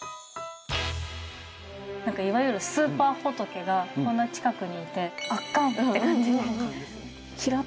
いわゆるスーパー仏がこんな近くにいて「圧巻！」って感じです。